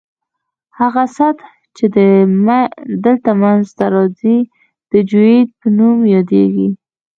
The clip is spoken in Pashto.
هغه سطح چې دلته منځ ته راځي د جیوئید په نوم یادیږي